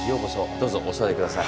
どうぞお座り下さい。